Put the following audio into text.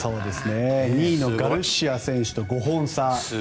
２位のガルシア選手と５本差。